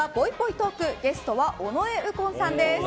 トークゲストは尾上右近さんです。